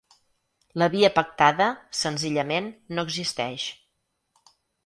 La via pactada, senzillament, no existeix.